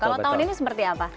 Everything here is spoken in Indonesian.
kalau tahun ini seperti apa